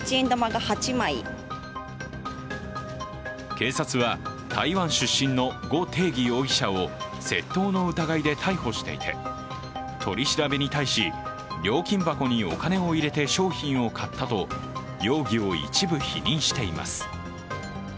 警察は、台湾出身の呉亭儀容疑者を窃盗の疑いで逮捕していて取り調べに対し料金箱にお金を入れて商品を買ったと容疑を一部否認しています。